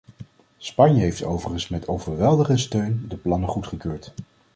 Spanje heeft overigens met overweldigende steun de plannen goedgekeurd.